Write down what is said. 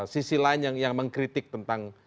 sisi lain yang mengkritik tentang